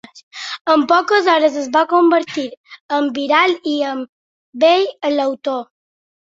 En poques hores es va convertir en viral i, amb ell, l’autor.